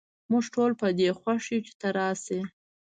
موږ ټول په دي خوښ یو چې ته راشي